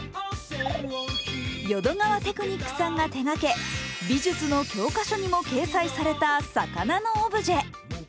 淀川テクニックさんが出かけ、美術の教科書にも掲載された魚のオブジェ。